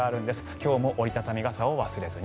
今日も折り畳み傘を忘れずに。